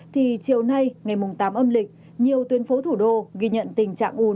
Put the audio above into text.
thì chiều nay ngày mùng tám âm lịch nhiều tuyên phố thủ đô ghi nhận tình trạng ổn